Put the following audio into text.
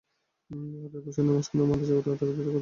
হার্টের অপারেশনের মাঝখানে মারা যাওয়া ডাক্তারটার কথা মনে আছে?